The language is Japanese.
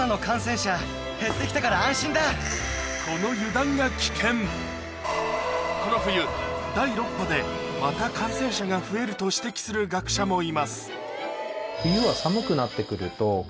この油断がこの冬第６波でまた感染者が増えると指摘する学者もいます